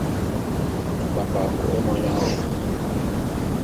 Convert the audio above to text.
Mbamba’a ngoke monyang wo;